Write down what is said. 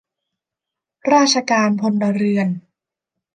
ราชการพลเรือน